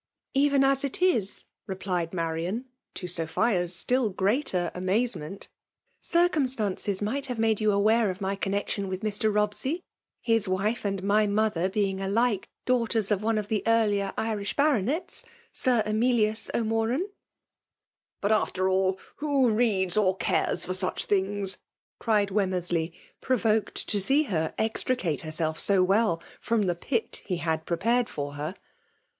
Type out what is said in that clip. '•« Even as it is," replied Marian> to Sophia'^ ^11 ' greater amazement, '^ circumstiEinces might have made you aware of my connexion with Mr. Bobsey; his wife and my mother t)eijig alike daughters of one of the earlier Irish Baronets, Sh* Emilius O'Moraii.'* !'^ But after all, toko reads or cares for such things !*' cried Weramersley, provoked to see her extricate herself so well from the pit he hftd prepared for her.